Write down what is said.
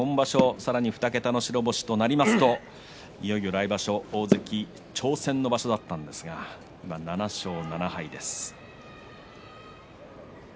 さらに２桁の白星となりますといよいよ来場所大関挑戦の場所だったんですが今、７勝７敗です。